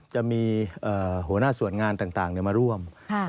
จะมีหัวหน้าส่วนงานต่างมาร่วม